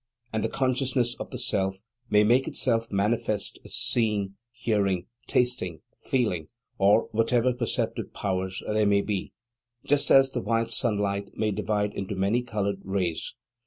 And the consciousness of the Self may make itself manifest as seeing, hearing, tasting, feeling, or whatsoever perceptive powers there may be, just as the white sunlight may divide into many coloured rays.